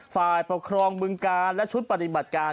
ฝ่ายประครองคุณการณ์และชุดปฎิบัติการ